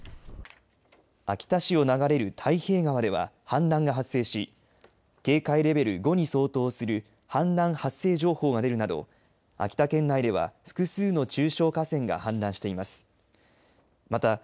秋田市を流れる太平川では氾濫が発生し警戒レベル５に相当する氾濫発生情報が出るなど秋田県内では複数の中小河川が氾濫しています。